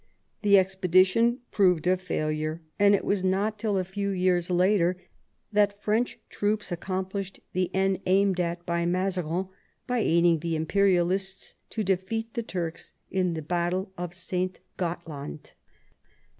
The expedition proved a failure, and it was not till a few years later that French troops accomplished the end aimed at by Mazarin by aiding the Imperialists to defeat the Turks in the battle of St. Gottland.